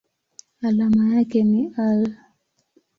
Alama yake ni Al.